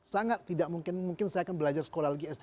sangat tidak mungkin saya akan belajar sekolah lagi sd